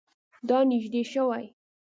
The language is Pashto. دا نژدې شوی؟